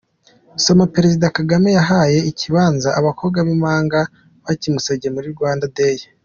Soma:Perezida Kagame yahaye ikibanza abakobwa b’impanga bakimusabye muri Rwanda Day.